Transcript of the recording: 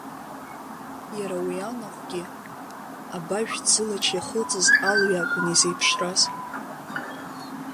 Иара уи анаҟәагьы, абажә ӡылач иахылҵыз алҩа акәын изеиԥшраз.